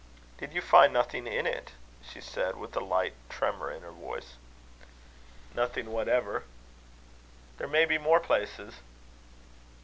"Did you find nothing in it?" she said, with a slight tremour in her voice. "Nothing whatever." "There may be more places."